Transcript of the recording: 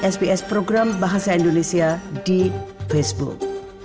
sps program bahasa indonesia di facebook